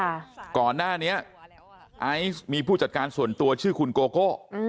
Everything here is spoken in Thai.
ก่อนหน้านี้ไอซ์มีผู้จัดการส่วนตัวชื่อคุณโกโก้อืม